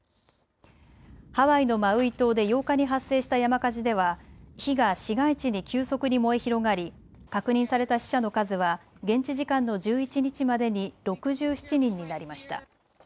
ハワイのマウイ島で８日に発生した山火事では火が市街地に急速に燃え広がり確認された死者の数は現地時間の１１日までに６７人になりました。